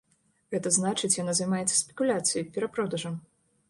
Гэта значыць, яна займаецца спекуляцыяй, перапродажам.